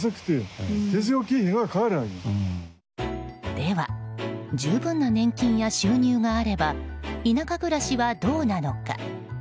では十分な年金や収入があれば田舎暮らしはどうなのか？